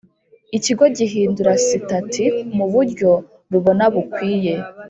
Ikigo gihindura sitati mu buryo rubona bukwiye